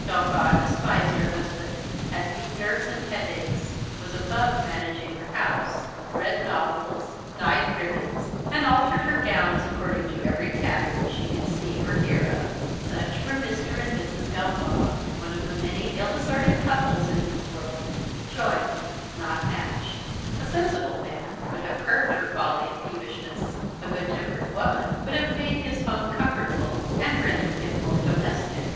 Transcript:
Gawffaw despised her husband; had weak nerves and headaches was above managing her house read novels dyed ribbons and altered her gowns according to every pattern she could see or hear of. Such were Mr. and Mrs. Gawffaw one of the many ill assorted couples in this world joined, not matched. A sensible man would have curbed her folly and peevishness; a good tempered woman would have made his home comfortable, and rendered him more domestic.